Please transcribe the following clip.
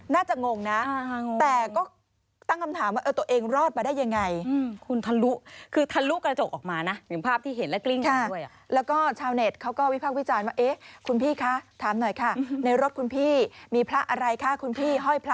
น่าจะงงนะแต่ก็ตั้งคำถามว่าตัวเองรอดไปได้ยังไง